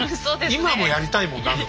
今もやりたいもん。